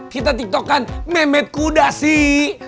kita tiktokkan memet kuda sih